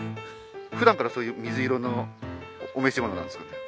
ふだんからそういう水色のお召し物なんですか？